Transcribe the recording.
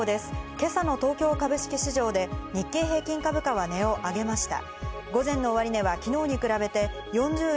今朝の東京株式市場で日経平均株価は値を上げました。